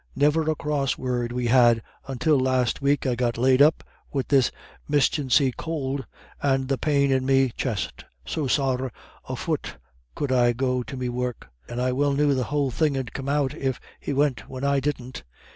Niver a cross word we had until last week I got laid up wid this mischancy could and the pain in me chest, so sorra a fut could I go to me work; and I well knew the whole thing 'ud come out, if he went when I didn't.